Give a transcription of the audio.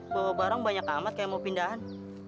bawa barang banyak amat kayak mau pindahan